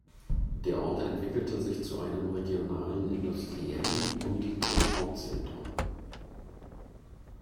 Der Ort entwickelte sich zu einem regionalen industriellen und Transport-Zentrum.